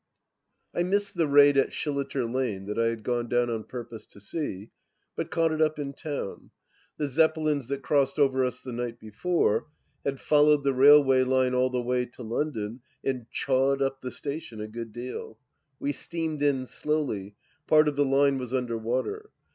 I MISSED the raid at Shilliter Lane that I had gone down on purpose to see, but caught it up in town. The Zeppelins that crossed over us the night before, had followed the railway line all the way to London and chawed up the station a good deal. We steamed in slowly ; part of the line was under water.